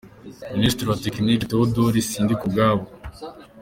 – Ministri wa tekiniki: Tewodori Sindikubwabo,